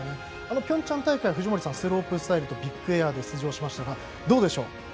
ピョンチャン大会藤森さん、スロープスタイルとビッグエアで出場しましたがどうでしょう？